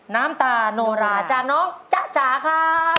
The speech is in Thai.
น้ำตานโนราจากน้องจ้าจ๋าค่ะ